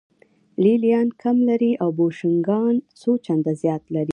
لې لیان کم لري او بوشونګان څو چنده زیات لري